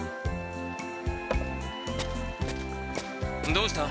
どうした？